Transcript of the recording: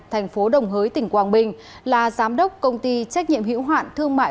thành phố đồng hới tỉnh quang bình là giám đốc công ty trách nhiệm hiểu hoạn thương mại